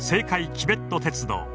チベット鉄道。